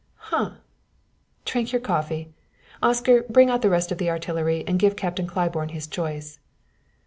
"Humph! Drink your coffee! Oscar, bring out the rest of the artillery and give Captain Claiborne his choice."